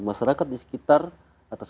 masyarakat di sekitar atas